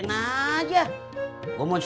ya tapi aku mau makan